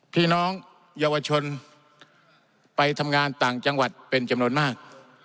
พี่น้องเยาวชนไปทำงานต่างจังหวัดเป็นจำนวนมาก